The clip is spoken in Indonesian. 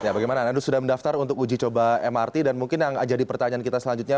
ya bagaimana anda sudah mendaftar untuk uji coba mrt dan mungkin yang jadi pertanyaan kita selanjutnya